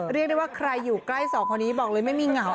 เรียกได้ว่าใครอยู่ใกล้สองคนนี้บอกเลยไม่มีเหงา